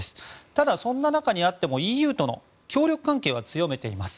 ただ、そんな中にあってもＥＵとの協力関係は強めています。